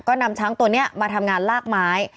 ก็นำช้างตัวนี้มาทำงานลากไม้